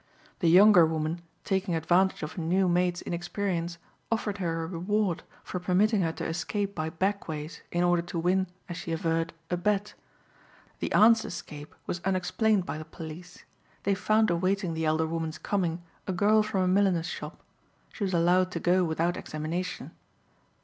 The younger woman taking advantage of a new maid's inexperience offered her a reward for permitting her to escape by back ways in order to win, as she averred, a bet. The aunt's escape was unexplained by the police. They found awaiting the elder woman's coming a girl from a milliner's shop. She was allowed to go without examination.